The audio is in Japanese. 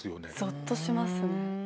ぞっとしますね。